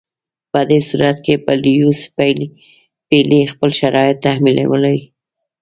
په دې صورت کې به لیویس پیلي خپل شرایط تحمیلولای.